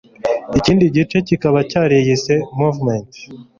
ikindi gice kikaba cyariyise Mouvement